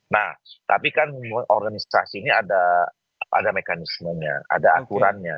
nah tapi kan organisasi ini ada mekanismenya ada aturannya